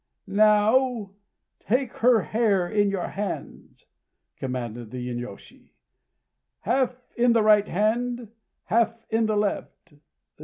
"Now take her hair in your hands," commanded the inyôshi, "half in the right hand, half in the left....